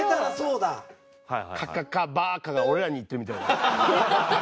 「カカカバーカ」が俺らに言ってるみたい。